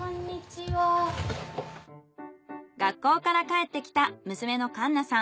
学校から帰ってきた娘のかんなさん